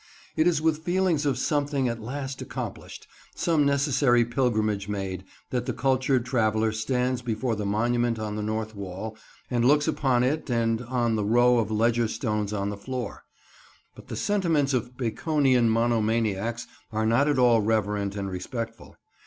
It is with feelings of something at last accomplished, some necessary pilgrimage made, that the cultured traveller stands before the monument on the north wall and looks upon it and on the row of ledger stones on the floor. But the sentiments of Baconian mono maniacs are not at all reverent and respectful.